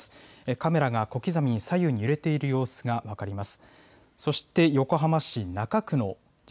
カメラが小刻みに左右に揺れている様子が分かります。